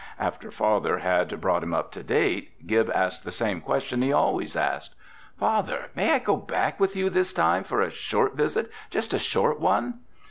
After Father had brought him up to date, Gib asked the same question he always asked: "Father, my I go back with you this time for a short visit—just a short one?"